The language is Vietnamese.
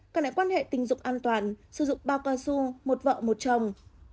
cần lại quan hệ tình dục an toàn sử dụng bao cao su một vợ một chồng